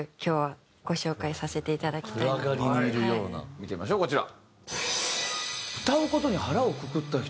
見てみましょうこちら。